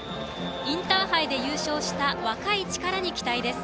インターハイで優勝した若い力に期待です。